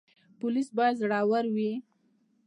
پولیس باید زړور وي